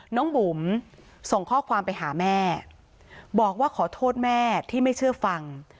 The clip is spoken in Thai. บุ๋มส่งข้อความไปหาแม่บอกว่าขอโทษแม่ที่ไม่เชื่อฟัง